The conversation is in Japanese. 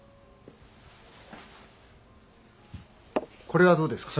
これはどうですか？